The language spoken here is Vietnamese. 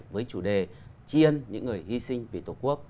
với chủ đề chiên những người hy sinh vì tổ quốc